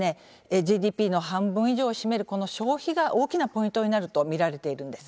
ＧＤＰの半分以上を占めるこの消費が大きなポイントになると見られているんです。